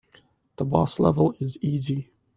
The boss level is easy.